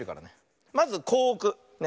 まずこうおく。ね。